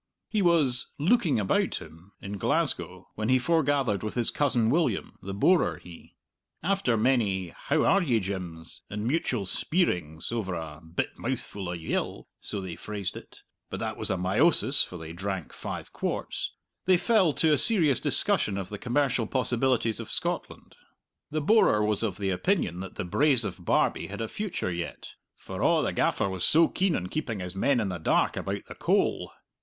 He was "looking about him" in Glasgow when he forgathered with his cousin William the borer he! After many "How are ye, Jims's" and mutual speirings over a "bit mouthful of yill" so they phrased it; but that was a meiosis, for they drank five quarts they fell to a serious discussion of the commercial possibilities of Scotland. The borer was of the opinion that the Braes of Barbie had a future yet, "for a' the gaffer was so keen on keeping his men in the dark about the coal."